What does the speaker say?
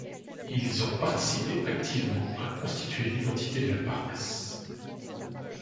Ils ont participé activement à constituer l'identité de la paroisse.